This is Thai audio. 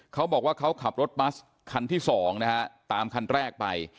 เขาบอกว่าเขาขับรถบัสคันที่๒นะฮะตามคันแรกไป